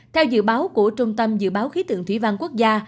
theo dự báo của trung tâm dự báo khí tượng thủy văn quốc gia